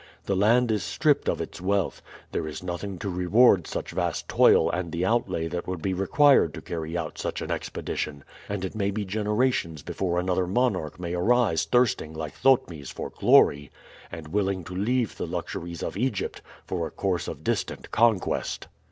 The land is stripped of its wealth; there is nothing to reward such vast toil and the outlay that would be required to carry out such an expedition, and it may be generations before another monarch may arise thirsting like Thotmes for glory, and willing to leave the luxuries of Egypt for a course of distant conquest.